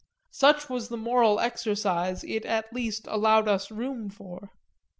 Such was the moral exercise it at least allowed us room for.